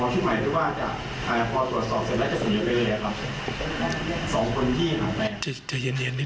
พอตรวจสอบเสร็จแล้วจะเสนอไปเลยหรือยังครับ